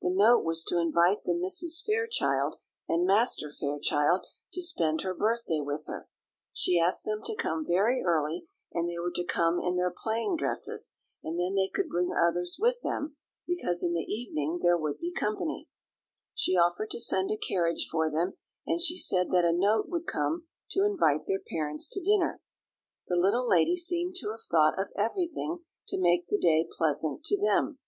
The note was to invite the Misses Fairchild and Master Fairchild to spend her birthday with her. She asked them to come very early, and they were to come in their playing dresses, and then they could bring others with them, because in the evening there would be company. She offered to send a carriage for them; and she said that a note would come to invite their parents to dinner. The little lady seemed to have thought of everything to make the day pleasant to them.